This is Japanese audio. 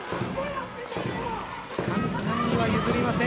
簡単には譲りません。